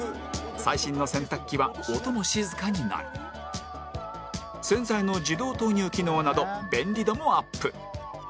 最新の洗濯機は音も静かになり洗剤の自動投入機能など便利度もアップ